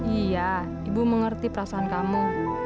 iya ibu mengerti perasaan kamu